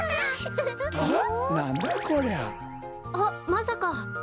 あっまさか！？